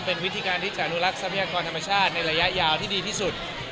เป็นวิธีการที่จะอนุรักษ์ทรัพยากรธรรมชาติในระยะยาวที่ดีที่สุด